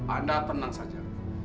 anda tenang saja